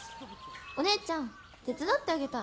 お姉ちゃん手伝ってあげたら？